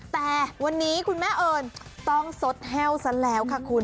แต่วันนี้คุณแม่เอิญต้องสดแห้วซะแล้วค่ะคุณ